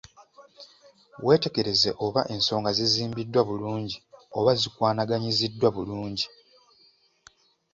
Weetegereze oba ensonga zizimbiddwa bulungi oba zikwanaganyiziddwa bulungi.